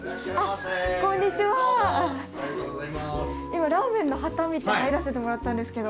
今ラーメンの旗見て入らせてもらったんですけど。